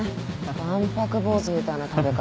わんぱく坊主みたいな食べ方。